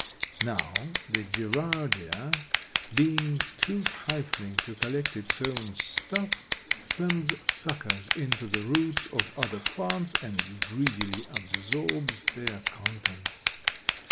Now, the Gerardia, being too trifling to collect its own stuff, sends suckers into the roots of other plants and greedily absorbs their contents.